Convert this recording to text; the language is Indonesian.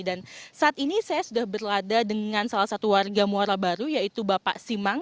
dan saat ini saya sudah berlada dengan salah satu warga muara baru yaitu bapak simang